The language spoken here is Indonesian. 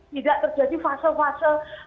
tidak terjadi fase fase